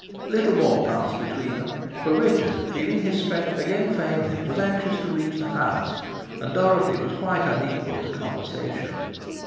Little more passed between them, for Richard, feeling his strength again fail him, was anxious to reach the house, and Dorothy was quite unequal to conversation.